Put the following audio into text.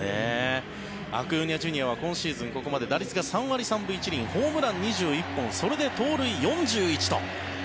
アクーニャＪｒ．は今シーズン、ここまで打率が３割３分１厘ホームラン２１本それで盗塁４１と。